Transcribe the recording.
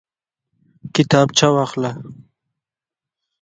کتابچه واخله